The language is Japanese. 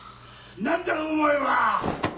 何だお前は！